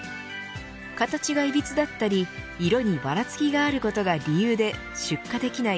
形がいびつだったり、色にばらつきがあることが理由で出荷できない。